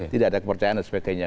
tidak ada kepercayaan dan sebagainya